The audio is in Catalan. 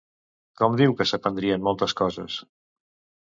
Com diu que s'aprendrien moltes coses?